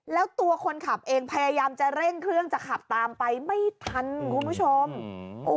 แล้วตัวคนขับเองพยายามจะเร่งเครื่องจะขับตามไปไม่ทันคุณผู้ชม